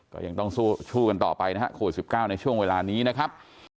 ก็ยังต้องสู้กันต่อไปนะฮะโควิด๑๙ในช่วงเวลานี้นะครับ